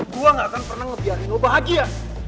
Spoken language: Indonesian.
gue gak akan pernah ngebiarin lo bahagia